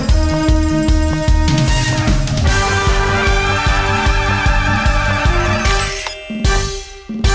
สวัสดีค่ะ